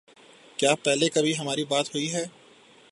کیا پہلے کبھی ہماری بات ہوئی ہے